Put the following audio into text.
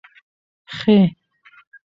خ